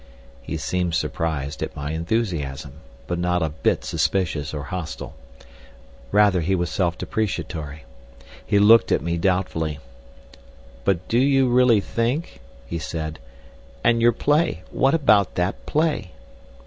He seemed surprised at my enthusiasm, but not a bit suspicious or hostile. Rather, he was self depreciatory. He looked at me doubtfully. "But do you really think—?" he said. "And your play! How about that play?"